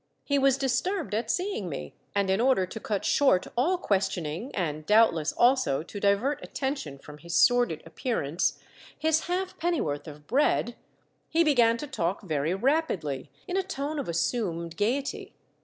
He was dis turbed at seeing me, and in order to cut short all questioning, and doubtless also to divert attention from his sordid appearance, his half pennyworth of bread, he began to talk very rapidly, in a tone of assumed gayety.